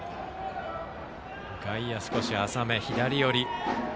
外野、少し浅め左寄り。